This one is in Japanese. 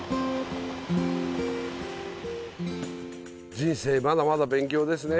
人生まだまだ勉強ですね。